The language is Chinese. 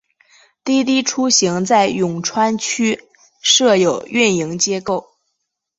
滴滴出行在永川区设有运营机构。